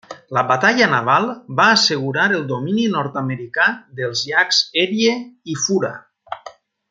La batalla naval va assegurar el domini nord-americà dels llacs Erie i Fura.